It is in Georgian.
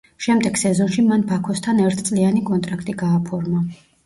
შემდეგ სეზონში მან ბაქოსთან ერთწლიანი კონტრაქტი გააფორმა.